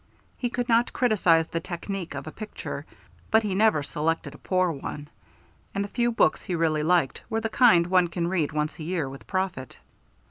He could not criticise the technique of a picture, but he never selected a poor one. And the few books he really liked were the kind one can read once a year with profit.